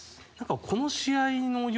この試合の夜